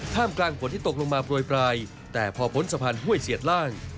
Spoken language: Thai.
กลางฝนที่ตกลงมาโปรยปลายแต่พอพ้นสะพานห้วยเสียดล่าง